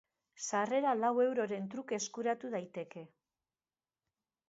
Sarrera lau euroren truke eskuratu daiteke.